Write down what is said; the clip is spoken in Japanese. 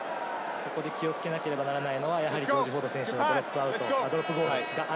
気をつけなければならないのはジョージ・フォード選手のドロップゴール。